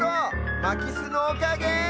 まきすのおかげ！